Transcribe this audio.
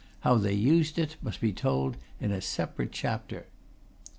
How they used it must be told in a separate chapter.